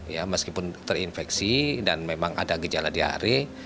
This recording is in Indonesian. ya meskipun terinfeksi dan memang ada gejala diare